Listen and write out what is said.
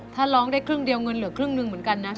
ถ้าร้องได้ครึ่งเดียวเงินเหลือครึ่งหนึ่งเหมือนกันนะ